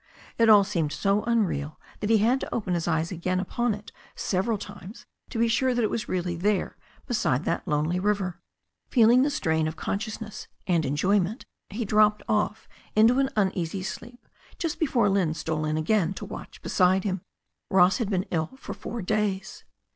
It all seemed so unreal that he had to open his eyes upon it several times to be sure that it was really there beside that lonely river. Feeling the strain of consciousness and enjoyment, he dropped off into an uneasy sleep just before Lynne stole in again to watch beside him. Ross had already been ill four days.